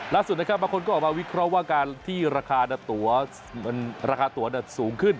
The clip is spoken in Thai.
ล่าสุดนะครับบางคนก็ออกมาวิเคราะห์ว่าการที่ราคาตัวสูงขึ้น